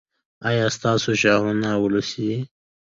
ایا ستاسو شعرونه ولسي دي؟